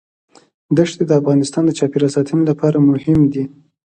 دښتې د افغانستان د چاپیریال ساتنې لپاره مهم دي.